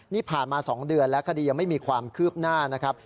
นี่ผ่านมา๒เดือนแล้วคดียังไม่มีความคืบหน้านะครับ